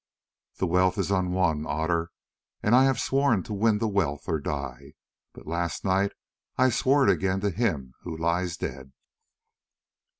"The wealth is unwon, Otter, and I have sworn to win the wealth or die. But last night I swore it again to him who lies dead."